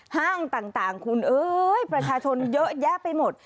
ห้างต่างคุณเอ้ยประชาชนเยอะแยะไปหมด